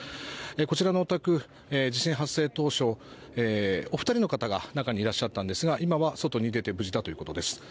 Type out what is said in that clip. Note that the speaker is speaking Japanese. こちらのお宅、地震発生当初お二人の方が中にいらっしゃったんですが今は外に出て無事だということです。